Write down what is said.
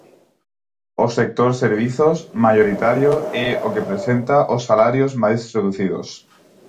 O sector servizos, maioritario, é o que presenta os salarios máis reducidos.